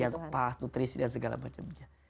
yang pas nutrisi dan segala macamnya